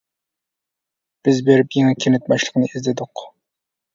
بىز بېرىپ يېڭى كەنت باشلىقىنى ئىزدىدۇق.